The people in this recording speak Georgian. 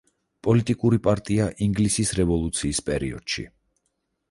პოლიტიკური პარტია ინგლისის რევოლუციის პერიოდში.